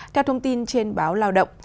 theo thông tin trên báo lao động